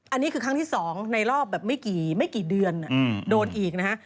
อันนี้คือครั้งที่๒ในรอบแบบไม่กี่เดือนโดนอีกนะฮะ